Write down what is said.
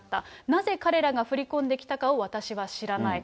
なぜ彼らが振り込んできたかを私は知らない。